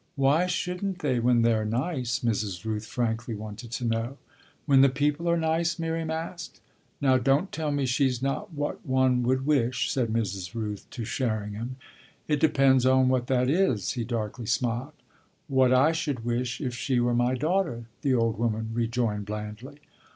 "Why shouldn't they when they're nice?" Mrs. Rooth frankly wanted to know. "When the people are nice?" Miriam asked. "Now don't tell me she's not what one would wish," said Mrs. Rooth to Sherringham. "It depends on what that is," he darkly smiled. "What I should wish if she were my daughter," the old woman rejoined blandly.